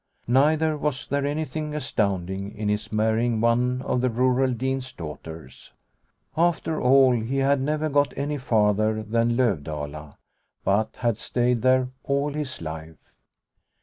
Neither was there anything astounding in his marrying one of the rural dean's daughters. After all, he had never got any farther than Lovdala, but had stayed there all his life.